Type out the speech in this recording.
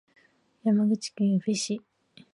山口県宇部市